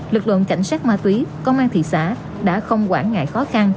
lực lượng cảnh sát ma túy công an thị xã đã không quản ngại khó khăn